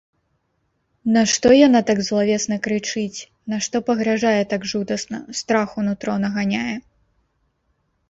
Нашто яна так злавесна крычыць, нашто пагражае так жудасна, страх у нутро наганяе?